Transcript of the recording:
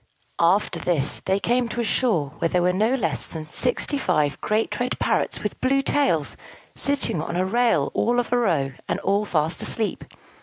After this they came to a shore where there were no less than sixty five great red parrots with blue tails, sitting on a rail all of a row, and all fast asleep.